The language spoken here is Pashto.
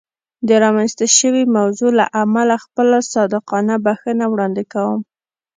د رامنځته شوې موضوع له امله خپله صادقانه بښنه وړاندې کوم.